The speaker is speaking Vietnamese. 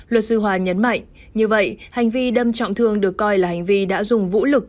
luật sư hòa nhấn mạnh như vậy hành vi đâm trọng thương được coi là hành vi đã dùng vũ lực